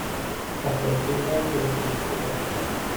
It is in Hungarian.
A földszinten vagy a pincében.